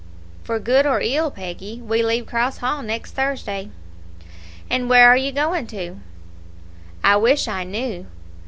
"For good or ill, Peggy, we leave Cross Hall next Thursday." "And where are you going to?" "I wish I knew."